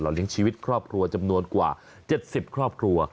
เลี้ยงชีวิตครอบครัวจำนวนกว่า๗๐ครอบครัว